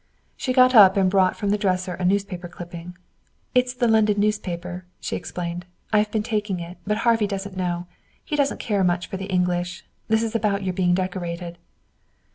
She got up and brought from the dresser a newspaper clipping. "It's the London newspaper," she explained. "I've been taking it, but Harvey doesn't know. He doesn't care much for the English. This is about your being decorated."